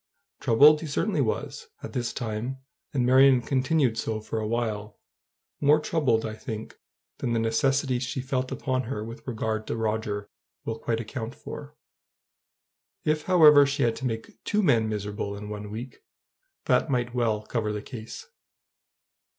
Troubled he certainly was, at this time; and Marion continued so for a while, more troubled, I think, than the necessity she felt upon her with regard to Roger will quite account for. If, however, she had to make two men miserable in one week, that might well cover the case.